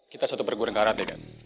kita satu perguruan karate kan